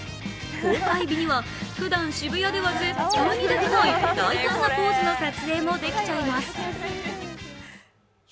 ふだん渋谷では絶対にできない大胆なポーズの撮影もできちゃいます。